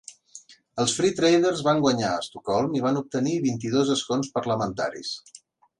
Els Free Traders van guanyar a Estocolm i van obtenir vint-i-dos escons parlamentaris.